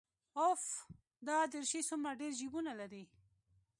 اوف دا دريشي څومره ډېر جيبونه لري.